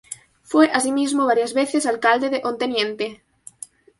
Fue asimismo varias veces alcalde de Onteniente.